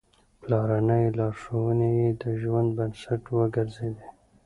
پلارنۍ لارښوونې يې د ژوند بنسټ وګرځېدې.